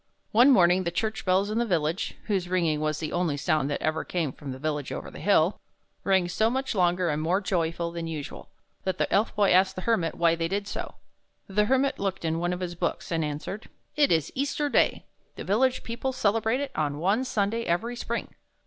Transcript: One morning the church bells in the village — whose ringing was the only sound that ever came from the village over the hill — rang so much longer and more joyfully than usual, that the Elf Boy asked the Hermit why they did so. The Hermit looked in one of his books, and answered: "It is Easter Day. The village people celebrate it on one Sunday every spring."